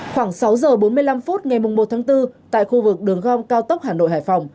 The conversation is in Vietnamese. khoảng sáu giờ bốn mươi năm phút ngày một tháng bốn tại khu vực đường gom cao tốc hà nội hải phòng